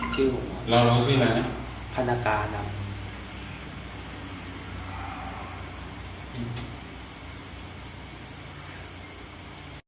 สวัสดีครับ